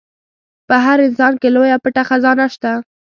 په هر انسان کې لويه پټه خزانه شته.